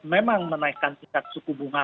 memang menaikkan tingkat suku bunga